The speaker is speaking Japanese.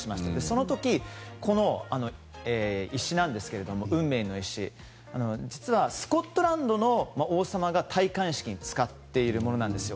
その時、この運命の石実は、スコットランドの王様が戴冠式に使っているものです。